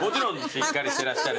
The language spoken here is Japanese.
しっかりしてらっしゃる。